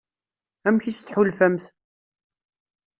Amek i s-tḥulfamt?